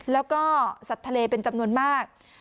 แล้วก็สัตว์ทะเลเป็นจำนวนมาก